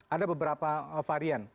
ada beberapa varian